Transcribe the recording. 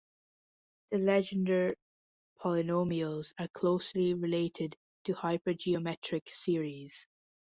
The Legendre polynomials are closely related to hypergeometric series.